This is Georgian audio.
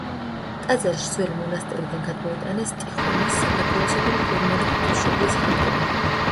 ტაძარში ძველი მონასტრიდან გადმოიტანეს ტიხვინის, საქართველოსა და მკურნალი ღვთისმშობლის ხატები.